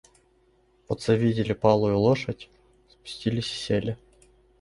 Вот завидели палую лошадь, спустились и сели.